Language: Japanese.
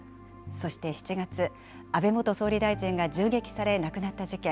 そして７月、安倍元総理大臣が銃撃され亡くなった事件。